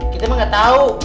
kita mah gak tau